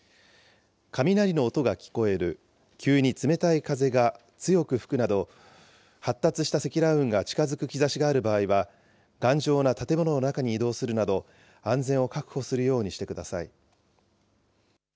雷の音が聞こえる、急に冷たい風が強く吹くなど、発達した積乱雲が近づく兆しがある場合は、頑丈な建物の中に移動するなど、安全を確保するようにしてください。